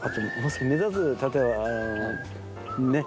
目立つ例えばね。